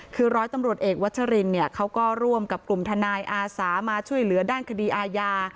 คือร้อยตำรวจเอกวัชรินเนี่ยเขาก็ร่วมกับกลุ่มทนายอาสามาช่วยเหลือด้านคดีอาญา